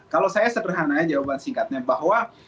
kalau saya sederhana jawaban singkatnya